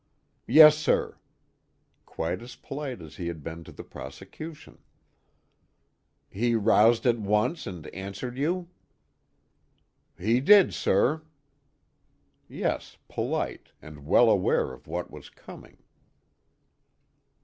"Yes, sir." Quite as polite as he had been to the prosecution. "He roused at once and answered you?" "He did, sir." Yes, polite, and well aware of what was coming.